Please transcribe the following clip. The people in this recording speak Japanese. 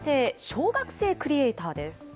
小学生クリエーターです。